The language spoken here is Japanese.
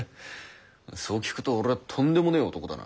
そう聞くと俺はとんでもねぇ男だな。